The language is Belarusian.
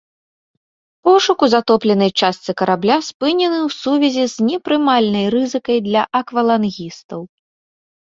Пошук у затопленай частцы карабля спынены ў сувязі з непрымальнай рызыкай для аквалангістаў.